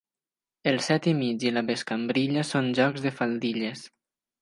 El set i mig i la bescambrilla són jocs de faldilles.